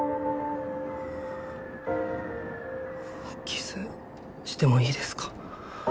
キスしてもいいですか？